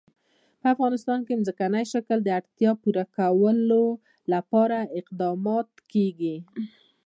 په افغانستان کې د ځمکنی شکل د اړتیاوو پوره کولو لپاره اقدامات کېږي.